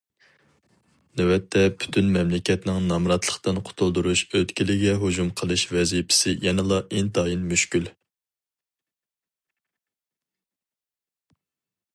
نۆۋەتتە پۈتۈن مەملىكەتنىڭ نامراتلىقتىن قۇتۇلدۇرۇش ئۆتكىلىگە ھۇجۇم قىلىش ۋەزىپىسى يەنىلا ئىنتايىن مۈشكۈل.